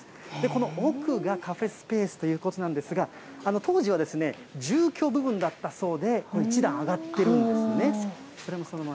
この奥がカフェスペースということなんですが、当時は住居部分だったそうで、１段上がってるんですよね。